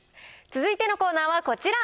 続いてのコーナーはこちら。